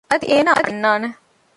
އަދި އޭނާ އަންނާނެ